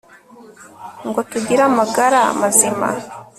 ngo tugire amagara mazima